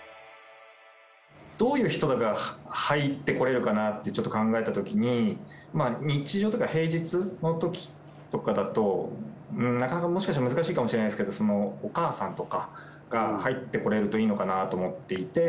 どういう人が入ってこられるかなってちょっと考えたときに日常とか平日のときとかだとなかなかもしかしたら難しいかもしれないですけどお母さんとかが入ってこられるといいのかなと思っていて。